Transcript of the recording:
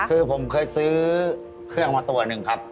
คือผมเคยซื้อเครื่องมาตัวหนึ่งครับ